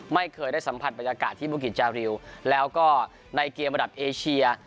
ไม่เคยได้สัมผัสบรรยากาศที่บุกิจจาริวแล้วก็ในเกมระดับเอเชีย